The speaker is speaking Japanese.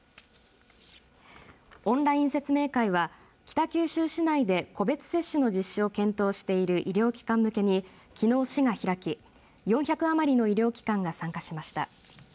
オンライン説明会は北九州市内で個別接種の実施を検討している医療機関向けに、きのう市が開き４００余りの医療機関が参加しました。